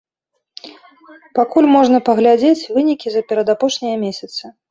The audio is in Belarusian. Пакуль можна паглядзець вынікі за перадапошнія месяцы.